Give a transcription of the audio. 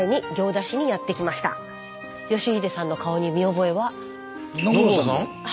徳秀さんの顔に見覚えは？